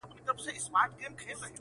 د خان د کوره خو پخه نۀ راځي ,